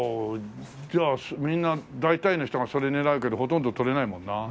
じゃあみんな大体の人がそれ狙うけどほとんど取れないもんなあ。